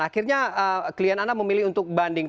akhirnya klien anda memilih untuk banding